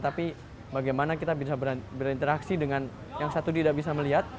tapi bagaimana kita bisa berinteraksi dengan yang satu tidak bisa melihat